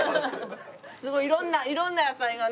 すごいいろんないろんな野菜がね。